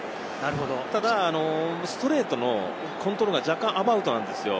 ただ、ストレートのコントロールが若干アバウトなんですよ。